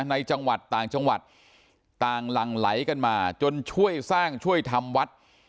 ในจังหวัดต่างจังหวัดต่างหลั่งไหลกันมาจนช่วยสร้างช่วยทำวัด